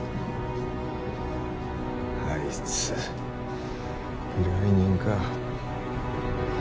あいつ依頼人か？